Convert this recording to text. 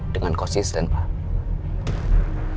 dengan konsisten pak